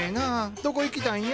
どこ行きたいんや？